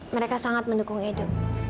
mereka sangat mendukung edo